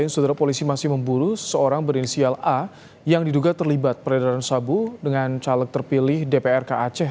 saudara polisi masih memburu seorang berinisial a yang diduga terlibat peredaran sabu dengan caleg terpilih dpr kaceh